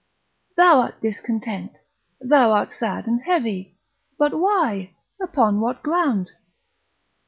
Thou art discontent, thou art sad and heavy; but why? upon what ground?